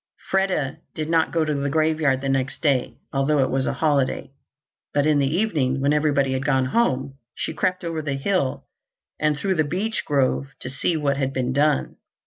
Freda did not go to the graveyard the next day, although it was a holiday. But in the evening, when everybody had gone home, she crept over the hill and through the beech grove to see what had been done.